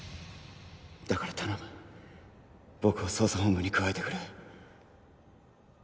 だから頼む僕を捜査本部に加えてくれ。